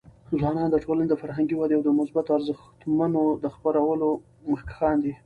ځوانان د ټولنې د فرهنګي ودي او د مثبتو ارزښتونو د خپرولو مخکښان دي.